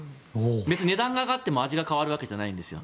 別に値段が上がっても味が変わるわけじゃないんですよ。